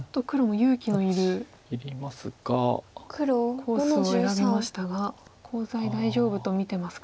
コースを選びましたがコウ材大丈夫と見てますか。